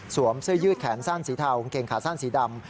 สวมเส้นยืดแขนส้านสีเทากางเกลงขาส้านสีดำ